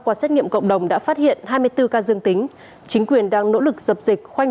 qua xét nghiệm cộng đồng đã phát hiện hai mươi bốn ca dương tính chính quyền đang nỗ lực dập dịch khoanh